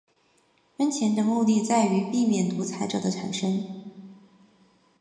分权的目的在于避免独裁者的产生。